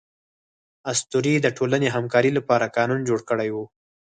اسطورې د ټولنې همکارۍ لپاره قانون جوړ کړی و.